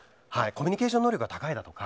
コミュニケーション能力が高いだとか。